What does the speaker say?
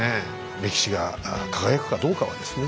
歴史が輝くかどうかはですね